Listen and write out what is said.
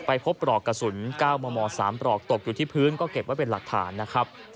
พบปลอกกระสุน๙มม๓ปลอกตกอยู่ที่พื้นก็เก็บไว้เป็นหลักฐานนะครับ